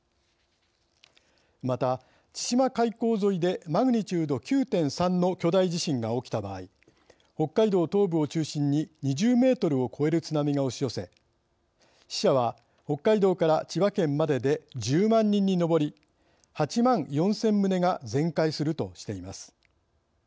また千島海溝沿いでマグニチュード９．３の巨大地震が起きた場合北海道東部を中心に２０メートルを超える津波が押し寄せ、死者は北海道から千葉県までで１０万人に上り８万４０００棟が全壊するとしています。